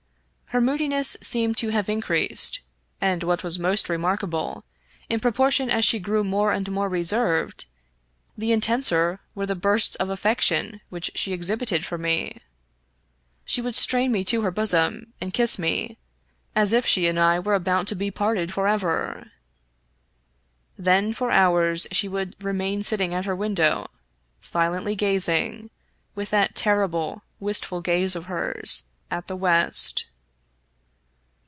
Her moodiness seemed to have increased, and, what was most remarkable, in proportion as she grew more and more reserved, the intenser were the bursts of affection which she exhibited for me. She would strain me to her bosom and kiss me, as if she and I were about to be parted forever. Then for hours she would remain sitting at her window, silently gazing, with that terrible, wistful gaze of hers, at the west.